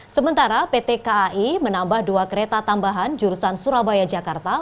sementara pt kai menambah dua kereta tambahan jurusan surabaya jakarta